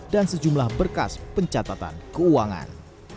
dan sejumlah berkas pencatatan keuangan